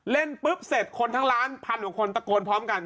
เล่นปุ๊บเสร็จคนทั้งล้านพันกว่าคนตะโกนพร้อมกัน